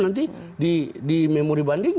nanti di memori banding